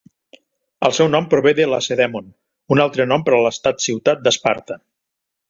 El seu nom prové de Lacedèmon, un altre nom per a l'estat-ciutat d'Esparta.